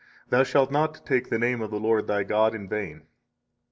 49 Thou shalt not take the name of the Lord, thy God, in vain.